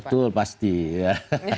betul pasti ya